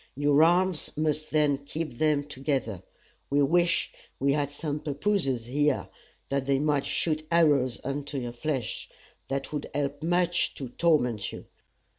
Your arms must then keep them together. We wish we had some pappooses here, that they might shoot arrows into your flesh. That would help much to torment you.